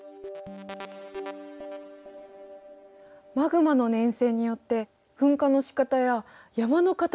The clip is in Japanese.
マグマの粘性によって噴火のしかたや山の形まで変わるんだ。